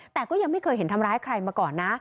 แต่ก็ยังไม่เคยเห็นทำร้ายใครมาก่อนนะ